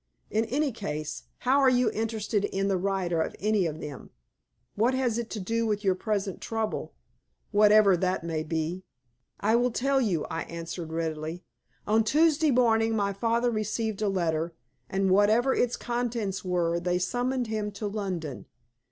In any case, how are you interested in the writer of any of them? What has it to do with your present trouble whatever that may be?" "I will tell you," I answered, readily. "On Tuesday morning my father received a letter, and whatever its contents were, they summoned him to London.